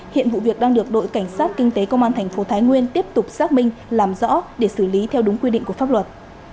hiện vụ việc đang được đội cảnh sát kinh tế công an thành phố thái nguyên tiếp tục xác minh làm rõ để xử lý theo đúng quy định của pháp luật